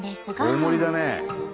大盛りだね。